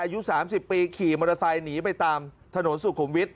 อายุ๓๐ปีขี่มอเตอร์ไซค์หนีไปตามถนนสุขุมวิทย